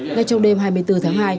ngay trong đêm hai mươi bốn tháng hai